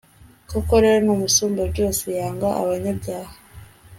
koko rero, n'umusumbabyose yanga abanyabyaha,